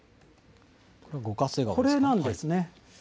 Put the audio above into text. これなんです。